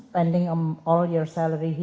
berpenggunaan semua salari di sini